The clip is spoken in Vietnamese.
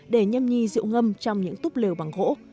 để nhâm nhi rượu ngâm trong những túp lều bằng gỗ